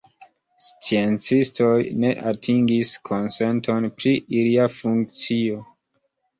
Sciencistoj ne atingis konsenton pri ilia funkcio.